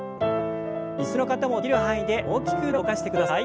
椅子の方もできる範囲で大きく腕を動かしてください。